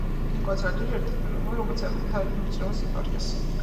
ნიკოლოზ კანდელაკი ერთი პირველთაგანია, ვინც იკვლევდა ქართული მჭერმეტყველების ისტორიას.